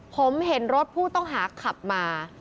ผมเห็นรถผู้ต้องหาขับมา